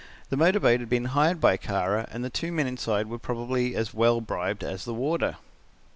The motor boat had been hired by Kara and the two men inside were probably as well bribed as the warder.